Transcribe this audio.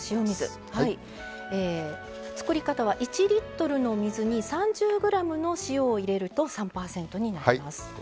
作り方は１リットルの水に３０ｇの塩を入れると３％になります。